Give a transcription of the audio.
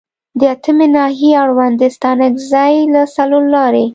د اتمې ناحیې اړوند د ستانکزي له څلورلارې